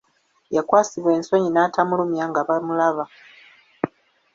Yakwasibwa ensonyi n’atamulumya nga bamulaba.